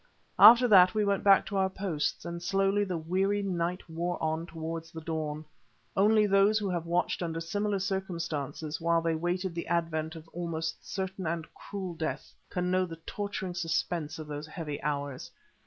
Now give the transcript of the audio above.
After that we went back to our posts, and slowly the weary night wore on towards the dawn. Only those who have watched under similar circumstances while they waited the advent of almost certain and cruel death, can know the torturing suspense of those heavy hours.